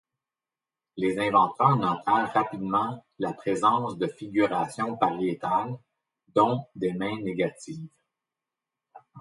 Les inventeurs notèrent rapidement la présence de figurations pariétales, dont des mains négatives.